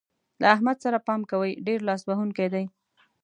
له احمد سره پام کوئ؛ ډېر لاس وهونکی دی.